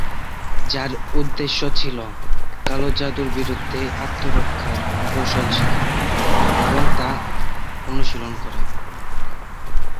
যার উদ্দেশ্য ছিল, কালো জাদুর বিরুদ্ধে আত্মরক্ষার কৌশল শিখা এবং তা অনুশীলন করা।